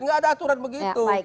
tidak ada aturan begitu